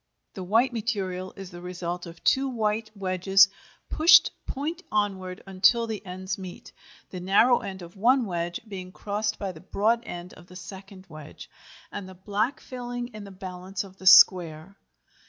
The white material is the result of two white wedges pushed point onward until the ends meet, the narrow end of one wedge being crossed by the broad end of the second wedge, and the black filling in the balance of the square.